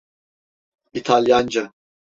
İtalyanca…